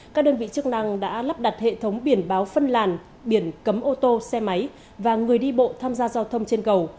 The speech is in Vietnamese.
các đơn vị chức năng đã lắp đặt hệ thống biển báo phân làn biển cấm ô tô xe máy và người đi bộ tham gia giao thông trên cầu